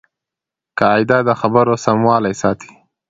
قاعده د خبرو سموالی ساتي.